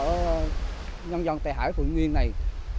ở nhân dân tây hải phụ nguyên này